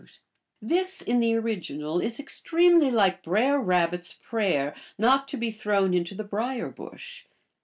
2 This in the original is extremely like Brer Rabbit s prayer not to be thrown into the brier bush.